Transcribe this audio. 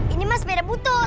ini mah sepeda butut